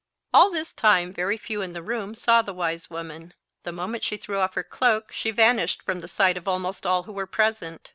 All this time very few in the room saw the wise woman. The moment she threw off her cloak she vanished from the sight of almost all who were present.